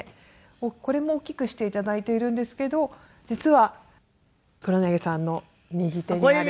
これも大きくして頂いているんですけど実は黒柳さんの右手にある。